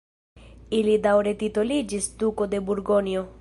Ili daŭre titoliĝis duko de Burgonjo.